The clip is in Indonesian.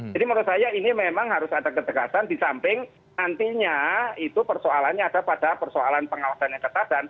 jadi menurut saya ini memang harus ada ketegasan di samping nantinya itu persoalannya ada pada persoalan pengawasannya ketatan